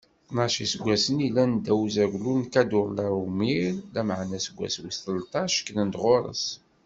Tnac n iseggasen i llan ddaw n uzaglu n Kadurlaɛumir, lameɛna aseggas wis tleṭṭac, kkren-d ɣur-s.